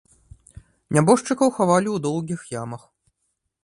Нябожчыкаў хавалі ў доўгіх ямах.